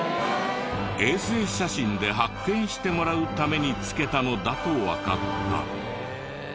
衛星写真で発見してもらうためにつけたのだとわかった。